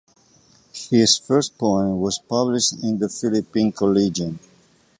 His first poems were published in The Philippine Collegian.